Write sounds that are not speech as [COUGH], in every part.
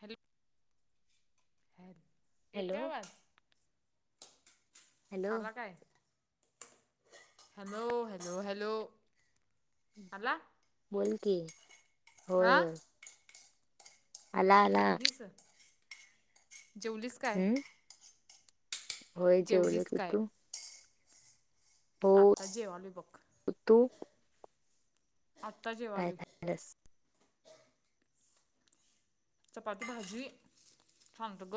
Hello hello. येतोय hello आवाज? Hello आला काय? Hello hello hello. आला? बोल की. होय हा. होय आला आला जेवलीस, जेवलीस काय? हम्म होय जेवलो जेवलीस की. काय? तू? आत्ता जेवलोय बघ. म तो. आत्ता काय जेवालोय. खाल्लस चपाती भाजी, सांडग.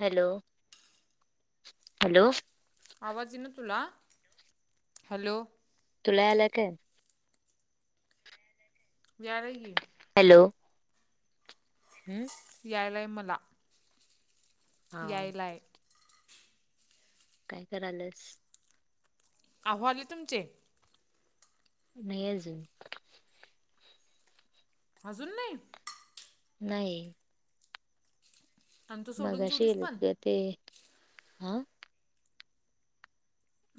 Hello hello. आवाज यीना तुला हॅलो? तुला यालाय काय? यालाय की. हॅलो. हम्म. यायलाय मला. हा यायलाय. काय करायल्यास? अहो आले तुमचे? नाही अजून. अजून नाही? नाही. आणि तू सोडून मगाशी जेवलीस गेलेत पण? ग ते. हा?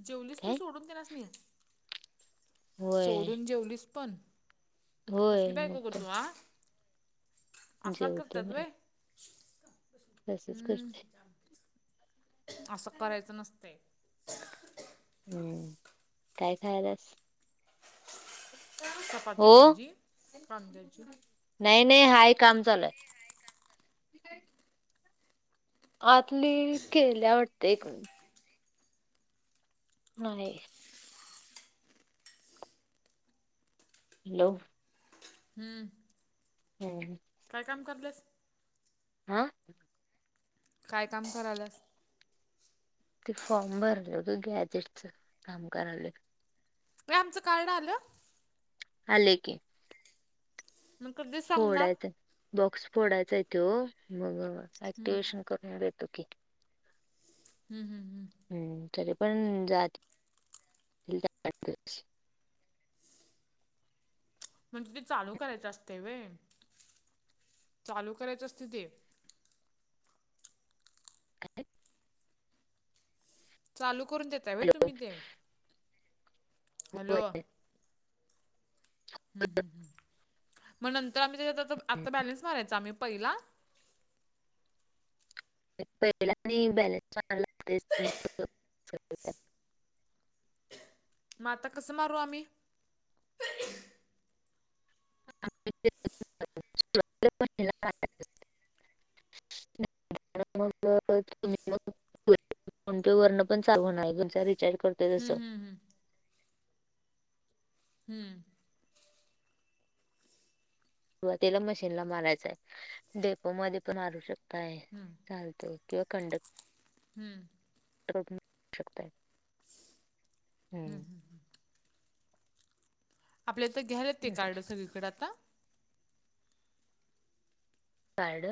जेवलीस तू काय सोडून तेनासनी? होय सोडून जेवलीस पण? होय कसली मग बायको गं काय तू आ? असा करत्यात होय? तसंच करते. असं करायचं नसतय. हम्म काय खायलीयास? चपाती, हो भाजी कांद्याची. नाही नाही हाय काम चालू हाय. आतली केल्या वाटते एक नाही. हॅलो. हम्म. हम्म हम्म. काय काम करालीयास? हा. काय काम करालास? ते फॉर्म भरलं होतं, गॅजेटच काम करालोय. [UNINTELLIGIBLE] आमचं कार्ड आलं? आले की. मग कधीच फोडायचं आहे बॉक्स फोडायच आहे तो, मग ऍक्टिवेशन करून देतो की. हम्म हम्म हम्म. हम्म. तरी पण जायाचं. [UNINTELLIGIBLE] म्हणजे ते चालू करायचं असते व्हय, चालू करायच असते ते? काय? चालू करून देताय होय तूम्ही ते? होय. हॅलो हम्म हम्म हम्म, मग नंतर आम्ही त्याच्यात आता आता बॅलन्स मारायचा आम्ही पहिला? पहिला आणि बॅलस टाकावं लागत. मग आता कसं मारू आम्ही? [UNINTELLIGIBLE] [UNINTELLIGIBLE] मग तुम्ही मग फोन पेवरन पण चालू होणार आहे, तुमचा रिचार्ज करतोय तसं. हम्म. सुरुवातीला मशीनला मारायच आहे, डेपो मध्ये पण मारू शकताय. हम्म चालतो किंवा कंडक्ट हम्म. [UNINTELLIGIBLE] शकतायत. हम्म हम्म हम्म. आपल्या इथं घ्यायला येतेय असं कार्ड आहे. सगळीकडें आता? कार्ड,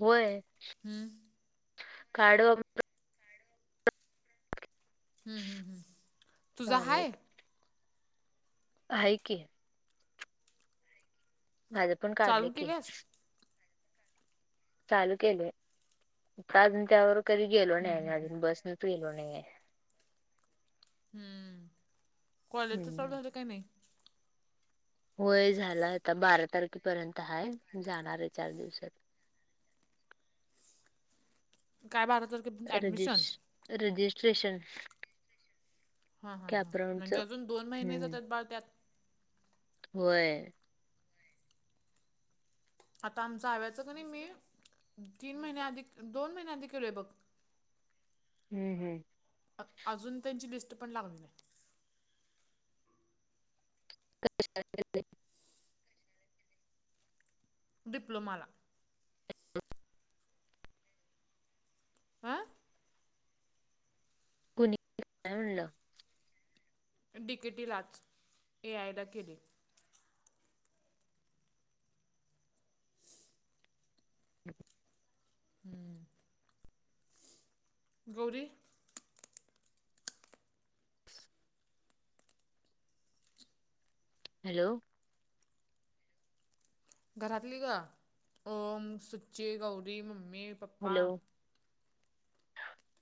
होय. हम्म. कार्ड वापर हम्म हम्म हम्म. तुझा हाय? हाय की. माझं पण काढलंय चालू की. केल्यास चालू केलंय [UNINTELLIGIBLE] अजून त्यावर कधी गेलो नाही आम्ही अजून बसनचं फिरलो नाहीये. हम्म. कॉलेजच चालू हम्म. झालं काय नाही? होय झालं आता बारा तारखेपर्यंत हाय, जाणार आहे चार दिवसात काय बारा तार रजिश-रजिस्ट्रेशन हा हा हा. म्हणजे अजून दोन महिने जात्यात बाळ त्यात. होय. आता आमचं आव्याचं कनई मी तीन महिन्याआधी, दोन महिन्याआधी केलोय बघ. हम्म हम्म. अजून त्यांची लिस्ट पण लागली नाही. [UNINTELLIGIBLE] डिप्लोमाला. हा? [UNINTELLIGIBLE] काय म्हणलं? डिकेटीलाच एआयला केली. हम्म. गौरी हॅलो. घरातली गं Om, Suchi, Gauri, mummy, papa hello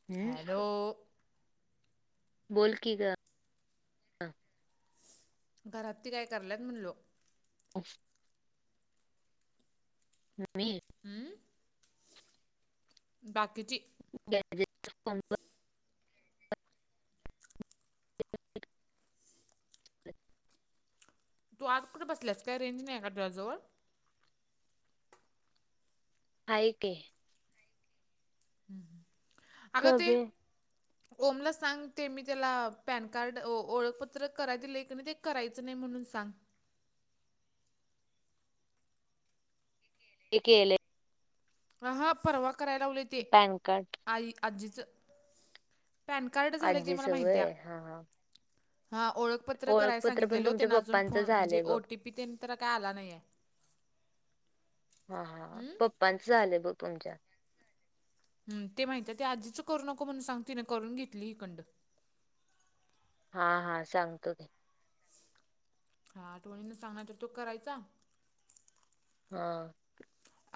हम्म हॅलो. बोल की ग. घरातली काय करायल्यात म्हणलो. [UNINTELLIGIBLE] मी हम्. बाकीची. [UNINTELLIGIBLE] तू आज कुठं बसल्यास काय रेंज नाही आहे का तुझ्याजवळ? आहे की, अगं ते. कबे ओमला सांग ते मी त्याला पॅन कार्ड, ओळखपत्र कराय दिले की नाही ते करायचं नाही म्हणून सांग. ते केलेय आ हा परवा करायला लावलीत. पॅन कार्ड आई आजीचं पॅन कार्ड झाले आहे ते मला आजीचं माहितीया. व्हय हा हा हा ओळखपत्र कराय ओळखपत्र पण सांगितलेलो, तुमच्या त्यांना अजून पप्पांचं फोन म्हणजे झालंय बघ ओटीपी. पी तेन तरा काय आला नाहीये. हा हा पप्पांचं झालंय बघ तुमच्या. हम्म. ते माहित आहे ते आजीच करू नको म्हणून सांग तिने करून घेतली हिकडं. हा हा सांगतो की. हा टोणींना सांगणार तर तो करायचा. हा.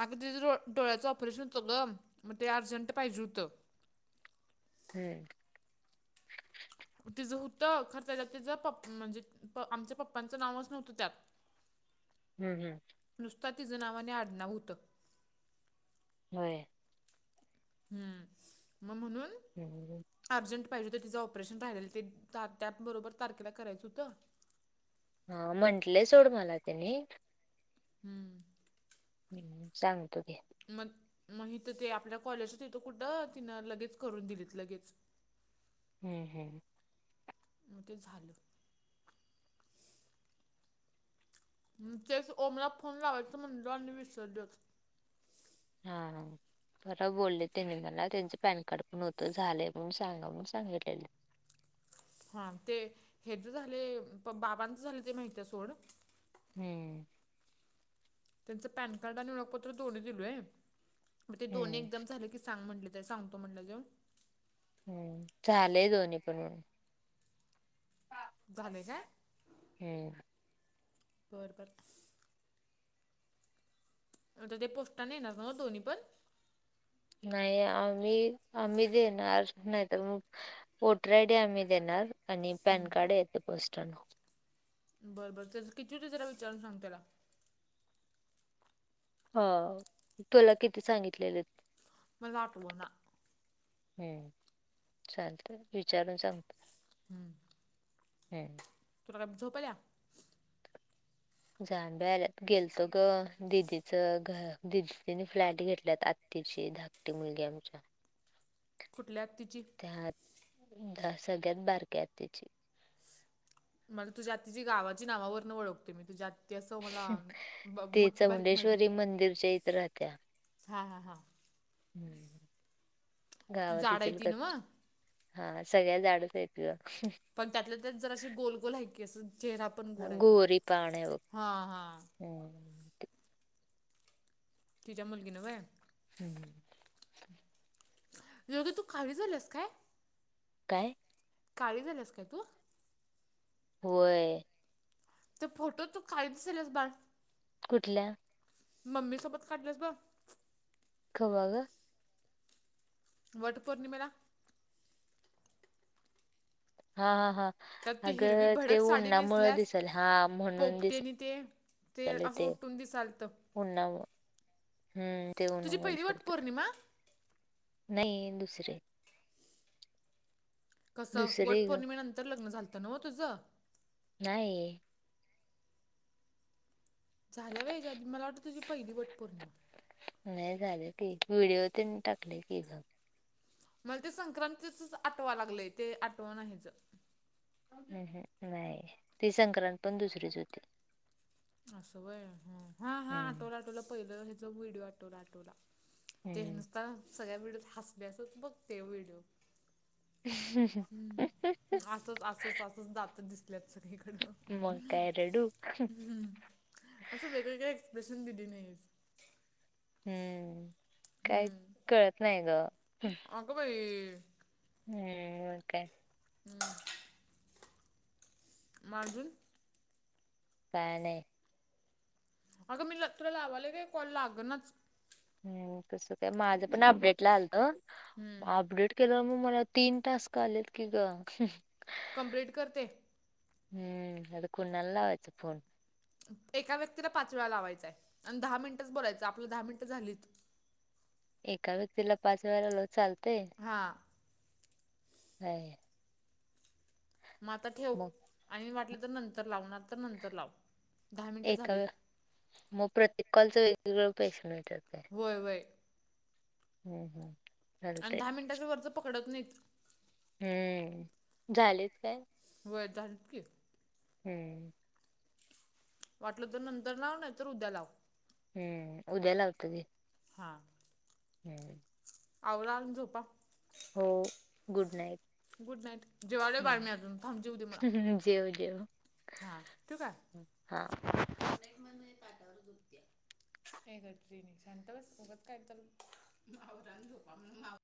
अगं तिच्या डोळ्याचं ऑपरेशन होतं गं, मग ते अर्जंट पाहिजे होतं. ह. तिचं होतं खरं त्याच्या तिचं पप म्हणजे प आमच्या पप्पांचं नावच नव्हतं त्यात. हम्म हम्म. नुसता तिचं नावाने आडनाव होतं. होय. हम्म म म्हणून हं. अर्जंट पाहिजे होतं तिचं ऑपरेशन राहिलेले ते ता त्याबरोबर तारखेला करायचं होतं. हा म्हंटले सोड मला त्यानी. हम्म. हं.... सांगतो घे. मन म हिथं ते आपल्या कॉलेजचा इथं कुठं तिनं लगेच करून दिलीत लगेच. [UNINTELLIGIBLE] मग ते झालं. हम्म तेच ओमला फोन लावायचं म्हणलो आणि विसरलयचं. हा हा. खरं बोले त्यांनी मला, त्यांच पॅन कार्ड पण होत झालेय सांगा म्हणून सांगितलेलीत. हा ते हेच झाले प, बाबांच झालं ते माहित झालंय सोड. हम्म. त्यांचं पॅन कार्ड आणि ओळखपत्र दोनही दिलोय म ते दोन हम्म एकदम झालं सांग म्हटलं, सांगतो म्हटलं जे. हम्म झालंय दोन्ही पण बनवून. कां झाले काय. हम्म. बरं बरं. आता ते पोस्टानं येणार नव्ह दोन्हीपण? नाही आम्ही आम्ही देणार नाही तर मग ओटर आय डी आम्ही देणार, आणि पॅन कार्ड येत पोस्टान. बरं बरं त्याचं किती होतात, जरा विचारून सांग त्याला. हो तुला किती सांगितलेलेत? मला आठवना. होम चालतंय विचारून सांगतो. हम्म. हे तुला काय झोप आलीया? जांभ्या याल्यात. गेलतो ग दिदीचं घर दिदीने फ्लॅट घेतल्यात. आत्तीची धाक ती मुलगी आमच्या कुठल्या आत्तीची? त्या सगळ्यात बारक्या आत्तीची मला तुझ्या आत्तीची गावाची नावावर ना ओळखतोय मी तुझ्या आत ती असं मला ती मोठी बारकी माहीत नाही, चौंडेश्वरी मंदिरच्या इथं राहत्या हा हा हा. ती गावात जाड आहे ती इचलकरंजीत, नव्ह हा सगळ्या झाडच आहेत. तुया अहं. पण त्यातलं त्या जर अशी गोलगोल आहे, केस अस चेहरा पण ग गोल आहे. गोरी पान आहे बघ हा हा. हम्म. तिच्या मुलगी न वय? हम्म. योगी तू काळी झालीयास काय? काय? काळी झालीयास काय तू? होय त्या फोटोत तू काळी दिसायल्यास बांध कुठल्या? मम्मी सोबत काढलीयास बघ? कवा ग? वट पौर्णिमेला? हा हा हा, त्यात ती हिरवी अगं ते भडक साडी उनामुळं नेसल्यास दिसेल हा म्हणून पोपटी दिस आणि ते ते असं उठून दिसालत. उन्हामुळे हम्म, ते तुझी उन्हामुळे पहिली कशानतर. वटपौर्णिमा नाही दुसरे कसं वट दुसरे ग पौर्णिमेनंतर लग्न झालतं न्हवं तुझं? नाही. झालं बाई याच्या आधी, मला वाटतं तुझी पहिली वटपौर्णिमा हाय. नाही झालंय की, व्हिडिओ तेन टाकलंय की ग. मला ते संक्रांतीचच आठवा लागलंय, ते आठवना हेच. हे हे नाही ते संक्रांत पण दुसरीच होते. असं व्हय, हा हा हम्म आठवला आठवलं, पहिलं ह्याच व्हिडिओ आठवला आटवला. ते हम्म नुसता सगळ्या व्हिडिओत हसल्यास बघत्या व्हिडिओ. [UNINTELLIGIBLE] हम्म असंच असंच असंच दात दिसल्यात सगळीकडं. मग काय रडू? असं वेगवेगळे एक्सप्रेशन दिली नाहीस. हम्म काय कळत नाही गं. अगं बाई हम्म ओके. हम्म. मग अजून काय नई. अगं मी ल तुला लावायले गे कॉल लागनाच. हम्म कसं काय? माझंपण अपडेट आलतं. म अपडेट केलं, मग मला तीन टास्क आलेत की ग. कम्प्लीट करते. हम्म आता कोणाला लावायचं फोन? एका व्यक्तीला पाच वेळा लावायचाय आणि दहा मिनिटंच बोलायचं, आपलं दहा मिनिटं झालीत. एका व्यक्तीला पाच वेळे लवलो चालते. हां. [UNINTELLIGIBLE] म आता ठेव मग आणि वाटलं तर नंतर लावणार तर नंतर लाव. दहा मिनटं एका झालीत वेळा मग प्रत्येक कॉलचा वेगळा पैशे मिळत्यात काय? होय होय. हम्म हम्म. आणि चालतंय दहा मिनिटाचा वरचा पकडत नाहीत. हम्म, झालेच काय? व्हय झालात की. हम्म. वाटलं तर नंतर लाव नाहीतर उद्या लाव. हम्म, उद्या लावतो मी. हा. [INAUDIBLE] आवरा आन झोपा. हो गुड नाईट. Good night. जेवायलोय बाळ मी अजून, थांब जेवूदे मला. हम्म जेव जेव. हा तू का हा [INAUDIBLE] काय करते. तेने शांत बस उगाच काय तर.